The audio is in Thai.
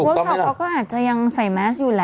สอบเขาก็อาจจะยังใส่แมสอยู่แหละ